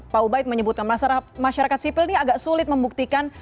pak ubaid menyebutkan masyarakat sipil ini agak sulit membuktikan